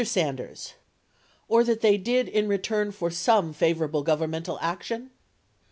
Sanders. Or that they did in return for some favorable governmental action